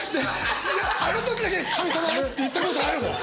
あの時だけ「神様」って言ったことあるもん！